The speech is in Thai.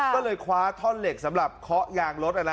ก็เลยคว้าท่อนเหล็กสำหรับเคาะยางรถ